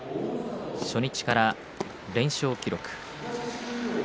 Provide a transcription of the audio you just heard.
初日から連勝記録。